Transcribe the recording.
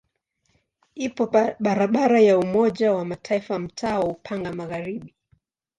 Ipo barabara ya Umoja wa Mataifa mtaa wa Upanga Magharibi.